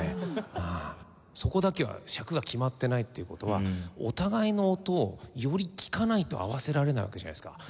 そこだけは尺が決まってないっていう事はお互いの音をより聴かないと合わせられないわけじゃないですか。